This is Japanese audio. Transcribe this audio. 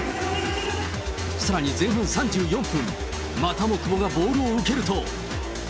さらに前半３４分、またも久保がボールを受けると。